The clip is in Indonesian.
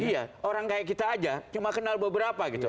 iya orang kayak kita aja cuma kenal beberapa gitu